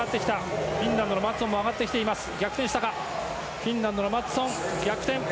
フィンランドのマッツォン逆転。